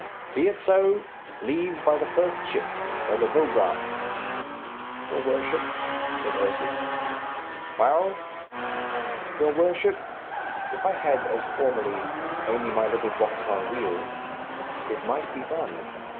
"Be it so. Leave by the first ship by the Vograat." "Your worship," said Ursus. "Well?" "Your worship, if I had, as formerly, only my little box on wheels, it might be done.